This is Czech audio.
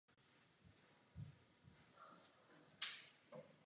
Vládci měli zpravidla titul sultán.